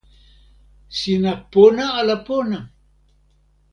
sina pona ala pona?